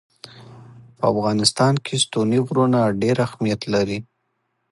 په افغانستان کې ستوني غرونه ډېر اهمیت لري.